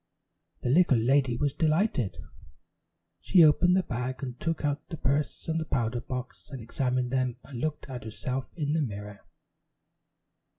The little lady was delighted. She opened the bag and took out the purse and powder box and examined them and looked at herself in the mirror.